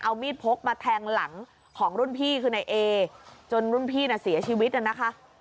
เอามีดพกมาแทงหลังของรุ่นพี่คือนายเอจนรุ่นพี่น่ะเสียชีวิตน่ะนะคะ